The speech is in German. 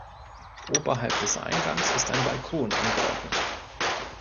Oberhalb des Eingangs ist ein Balkon angeordnet.